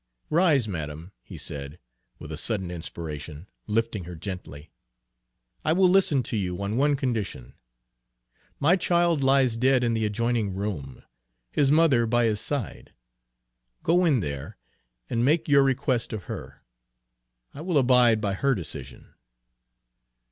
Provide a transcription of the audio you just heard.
"Rise, madam," he said, with a sudden inspiration, lifting her gently. "I will listen to you on one condition. My child lies dead in the adjoining room, his mother by his side. Go in there, and make your request of her. I will abide by her decision."